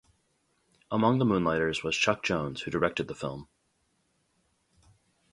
Among the moonlighters was Chuck Jones, who directed the film.